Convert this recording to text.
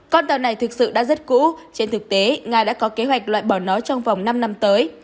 con tàu này thực sự đã rất cũ trên thực tế nga đã có kế hoạch loại bỏ nó trong vòng năm năm tới